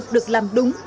được làm đúng